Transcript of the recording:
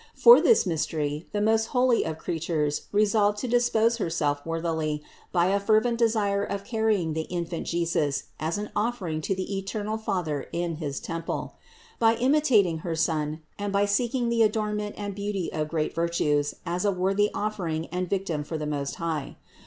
For this mystery the most holy of creatures resolved to dispose Herself worthily by a fervent desire of carrying the infant Jesus as an offering to the eternal Father in his temple ; by imitating her Son and by seeking the adornment and beauty of great virtues as a worthy offering and victim for the Most High.